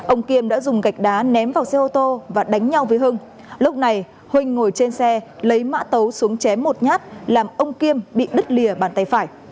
ông kiêm đã dùng gạch đá ném vào xe ô tô và đánh nhau với hưng lúc này huỳnh ngồi trên xe lấy mã tấu xuống chém một nhát làm ông kiêm bị đứt lìa bàn tay phải